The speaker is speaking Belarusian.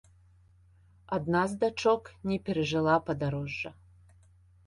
Адна з дачок не перажыла падарожжа.